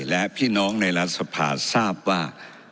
และพี่น้องในรัฐสภาทราบว่า